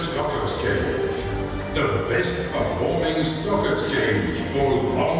perusahaan perusahaan perusahaan yang berhasil berhasil berhasil